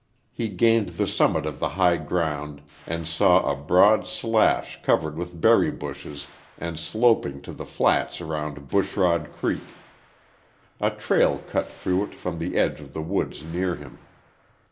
He gained the summit of the high ground and saw a broad slash covered with berry bushes and sloping to the flats around Bushrod Creek. A trail cut through it from the edge of the woods near him.